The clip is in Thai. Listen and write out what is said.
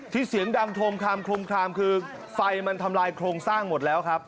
เสียงดังโครมคลามคือไฟมันทำลายโครงสร้างหมดแล้วครับ